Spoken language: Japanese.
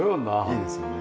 いいですよね。